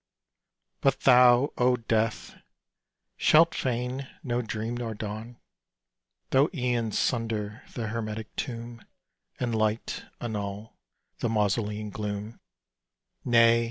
But thou, O Death! shalt feign no dream nor dawn, Tho' aeons sunder the hermetic tomb, And light annul the mausolean gloom Nay!